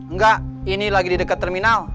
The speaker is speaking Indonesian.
enggak ini lagi di dekat terminal